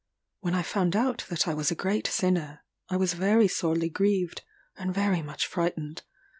When I found out that I was a great sinner, I was very sorely grieved, and very much frightened.